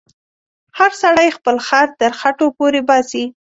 هر سړی خپل خر تر خټو پورې باسې.